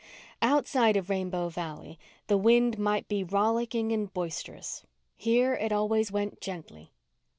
Outside of Rainbow Valley the wind might be rollicking and boisterous. Here it always went gently.